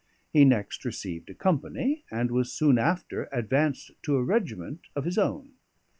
He next received a company, and was soon after advanced to a regiment of his own.